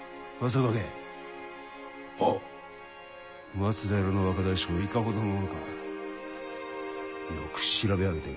松平の若大将いかほどの者かよく調べ上げておけ。